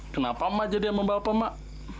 kenapa mak jadi sama bapak mak